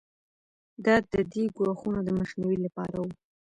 دا د دې ګواښونو د مخنیوي لپاره وو.